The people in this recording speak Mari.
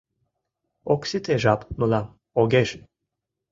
Ок сите жап мылам, огеш!